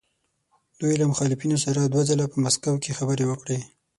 دوی له مخالفینو سره دوه ځله په مسکو کې خبرې وکړې.